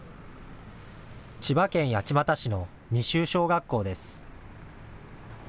千葉県八街市の二州小学校です。